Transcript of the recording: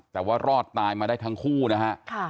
แต่ว่ารอดตายมาได้ทั้งคู่นะฮะ